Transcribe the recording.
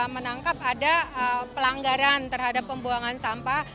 menangkap ada pelanggaran terhadap pembuangan sampah